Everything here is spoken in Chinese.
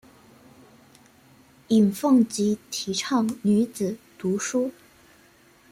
尹奉吉提倡女子读书。